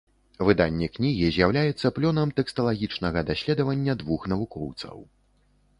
Выданне кнігі з'яўляецца плёнам тэксталагічнага даследавання двух навукоўцаў.